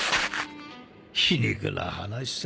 皮肉な話さ。